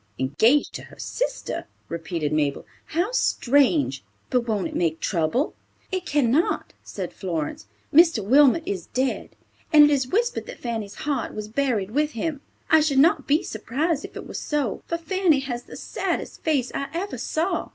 "Engaged to her sister!" repeated Mabel. "How strange! But won't it make trouble?" "It cannot," said Florence. "Mr. Wilmot is dead, and it is whispered that Fanny's heart was buried with him. I should not be surprised if it were so, for Fanny has the saddest face I ever saw.